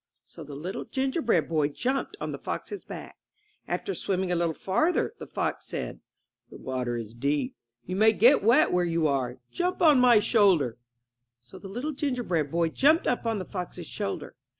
So the Little Gingerbread Boy jumped on the fox's back. 128 I N THE NURSERY After swimming a little farther, the fox said: 'The water is deep. You may get wet where you are. Jump up on my shoulder/' So the Little Gingerbread Boy jumped up on the fox's shoulder.